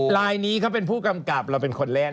ลายนี้เขาเป็นผู้กำกับเราเป็นคนเล่น